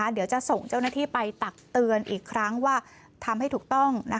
เดี๋ยวจะส่งเจ้าหน้าที่ไปตักเตือนอีกครั้งว่าทำให้ถูกต้อง